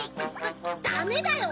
ダメだよ！